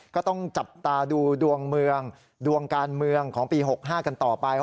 ก็ต้องจับตาดูดวงเมืองดวงการเมืองของปี๖๕กันต่อไป